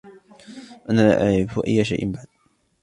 أنا لا أعرف أي شئ بعد.